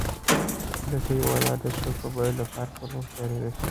ده ته یوه لار د چوک او بله د پارک په لور ښکارېده.